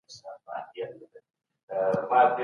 د نبي علیه السلام په زمانه کي انصاف و.